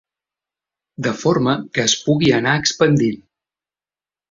De forma que es pugui anar expandint.